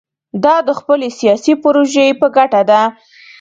دا د خپلې سیاسي پروژې په ګټه ده.